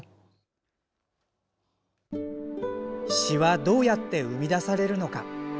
詩はどうやって生み出されるのか。